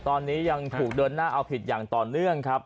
ตอนนี้ยังถูกเดินหน้าเอาผิดอย่างต่อเนื่องครับ